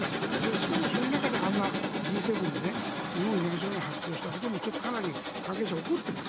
しかもそういう中でＧ７で日本を批判するような発表をしたことも関係者は怒っています。